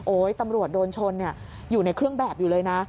ตำรวจโดนชนอยู่ในเครื่องแบบอยู่เลยนะ